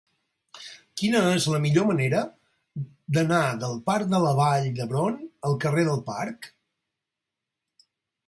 Quina és la millor manera d'anar del parc de la Vall d'Hebron al carrer del Parc?